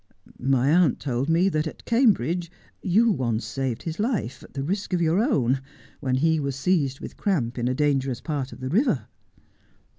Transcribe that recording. ' My aunt told me that at Cambridge you once saved his life, at the risk of your own, when he was seized with cramp in a dangerous part of the river.'